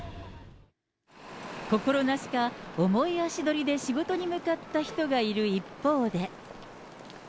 心なしか重い足取りで仕事に向かった人がいる一方で。